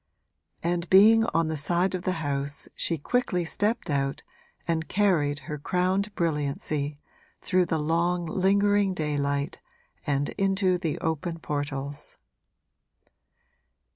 And being on the side of the house she quickly stepped out and carried her crowned brilliancy through the long lingering daylight and into the open portals.